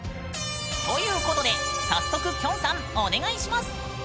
ということで早速きょんさんお願いします。